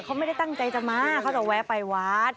เขาไม่ได้ตั้งใจจะมาเขาจะแวะไปวัด